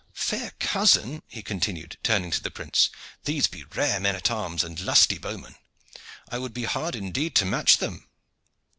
Fair cousin," he continued, turning to the prince, "these be rare men at arms and lusty bowmen. It would be hard indeed to match them."